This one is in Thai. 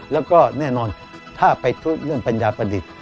แล้วก็แน่นอนถ้าไปพูดเรื่องปัญญาประดิษฐ์